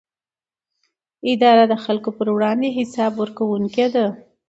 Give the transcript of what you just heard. اداره د خلکو پر وړاندې حساب ورکوونکې ده.